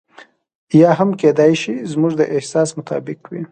یا هم کېدای شي زموږ د احساس مطابق وي.